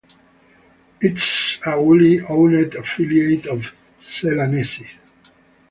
It is a wholly owned affiliate of Celanese.